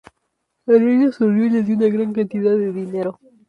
El rey le sonrió y le dio una gran cantidad de dinero.